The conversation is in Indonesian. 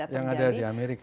yang ada di amerika